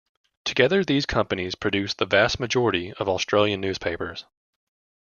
Together these companies produce the vast majority of Australian newspapers.